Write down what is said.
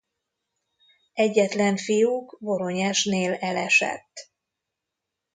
Egyetlen fiuk Voronyezsnél elesett.